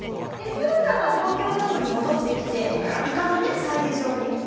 すぐさま東京ドームに戻ってきていかのね催事場に。